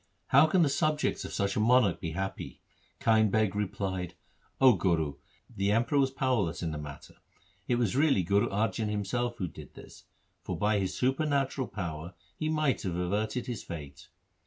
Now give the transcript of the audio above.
' How can the subjects of such a monarch be happy ? Kind Beg replied, ' O Guru, the Emperor was power less in the matter. It was really Guru Arjan himself who did this, for by his supernatural power he might have averted his fate.